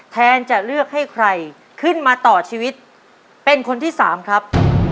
แทนจะเลือกให้ใครขึ้นมาต่อชีวิตเป็นคนที่สามครับ